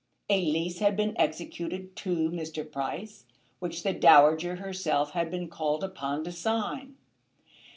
A lease had been executed to Mr. Price, which the Dowager herself had been called upon to sign.